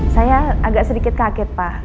saya agak sedikit kaget pak